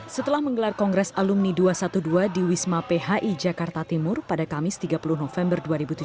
setelah menggelar kongres alumni dua ratus dua belas di wisma phi jakarta timur pada kamis tiga puluh november dua ribu tujuh belas